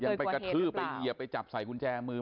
ยังไปกระทืบไปเหยียบไปจับใส่กุญแจมือ